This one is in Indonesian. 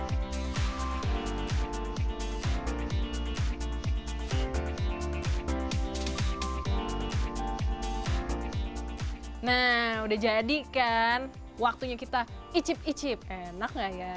hai nah udah jadikan waktunya kita icip icip enak nggak ya